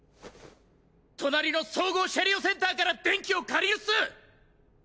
隣の総合車両センターから電気を借りるっす！